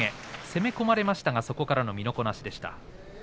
攻め込まれましたがそこからの身のこなしでした。